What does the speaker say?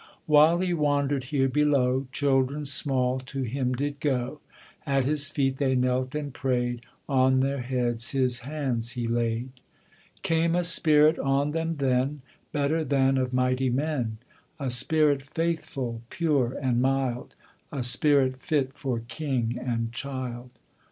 While He wandered here below Children small to Him did go, At His feet they knelt and prayed, On their heads His hands He laid. Came a Spirit on them then, Better than of mighty men, A Spirit faithful, pure and mild, A Spirit fit for king and child.